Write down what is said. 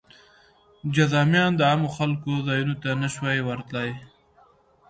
جذامیان د عامو خلکو ځایونو ته نه شوای ورتلی.